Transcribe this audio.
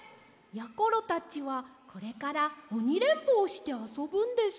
やころたちはこれからおにれんぼをしてあそぶんです。